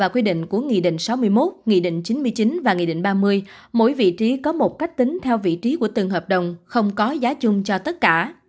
quy định của nghị định sáu mươi một nghị định chín mươi chín và nghị định ba mươi mỗi vị trí có một cách tính theo vị trí của từng hợp đồng không có giá chung cho tất cả